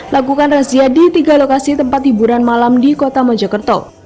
lakukan razia di tiga lokasi tempat hiburan malam di kota mojokerto